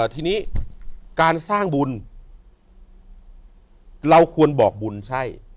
ทีนี้การสร้างบุญเราควรบอกบุญใช่